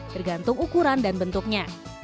tergantung ukuran dan bentuknya